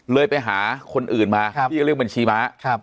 เลยไปหาคนอื่นมาครับที่ก็เรียกบัญชีมาครับ